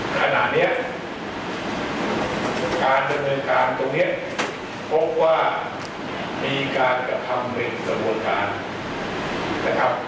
ขณะนี้การดำเนินการตรงนี้พบว่ามีการกระทำเป็นกระบวนการนะครับ